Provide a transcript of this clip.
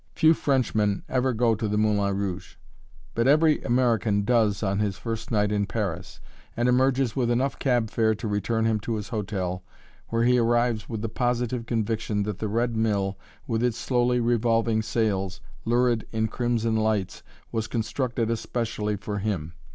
Few Frenchmen ever go to the "Moulin Rouge," but every American does on his first night in Paris, and emerges with enough cab fare to return him to his hotel, where he arrives with the positive conviction that the red mill, with its slowly revolving sails, lurid in crimson lights, was constructed especially for him.